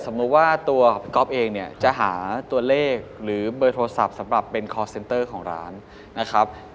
ว่าตัวพี่ก๊อฟเองเนี่ยจะหาตัวเลขหรือเบอร์โทรศัพท์สำหรับเป็นคอร์เซนเตอร์ของร้านนะครับ